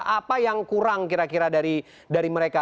apa yang kurang kira kira dari mereka